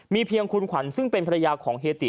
มีเพียงคุณขวัญซึ่งเป็นทะเลียของเฮติ